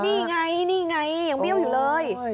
นี่ไงนี่ไงยังเบี้ยวอยู่เลย